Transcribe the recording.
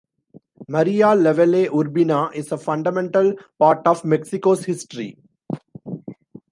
Maria Lavalle Urbina is a fundamental part of Mexico's history.